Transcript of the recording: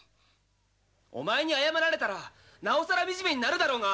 達也：お前に謝られたらなおさらみじめになるだろうが。